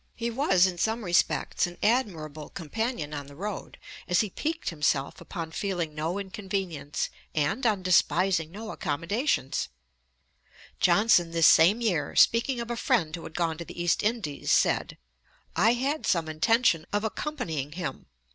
He was in some respects an admirable companion on the road, as he piqued himself upon feeling no inconvenience, and on despising no accommodations.' Piozzi's Anec. p. 168. Johnson, this same year, speaking of a friend who had gone to the East Indies, said: 'I had some intention of accompanying him.